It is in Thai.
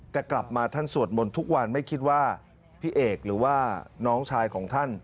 แต่กลับมาท่านสวดมนต์ทุกวันไม่คิดว่าพี่เอกหรือว่าน้องชายของท่าน